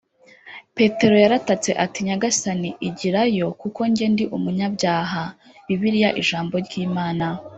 petero yaratatse ati, “nyagasani, igirayo kuko jye ndi umunyabyaha [bibiliya ijambo ry’imana],